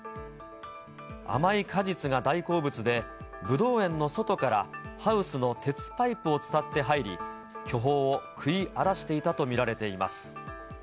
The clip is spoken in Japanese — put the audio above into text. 甘い果実が大好物で、ブドウ園の外からハウスの鉄パイプを伝って入り、巨峰を食い荒らしていたといいます。